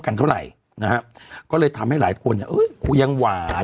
ก็เลยทำให้หลายคนโหยังหวาน